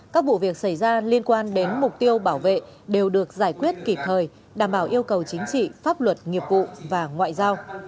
các vụ việc xảy ra liên quan đến mục tiêu bảo vệ đều được giải quyết kịp thời đảm bảo yêu cầu chính trị pháp luật nghiệp vụ và ngoại giao